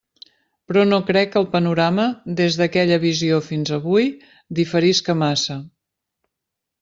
Però no crec que el panorama, des d'aquella visió fins avui, diferisca massa.